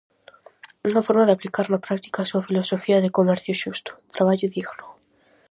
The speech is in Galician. Unha forma de aplicar na práctica a súa filosofía de "comercio xusto, traballo digno".